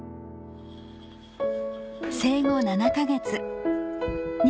生後７か月仁